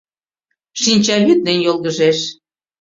Шинчавӱд ден йолгыжеш.